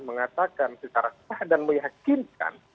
mengatakan secara sah dan meyakinkan